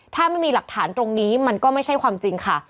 ถ้าไม่มีหลักฐานตรงนี้มันก็ไม่ใช่ความจริงค่ะ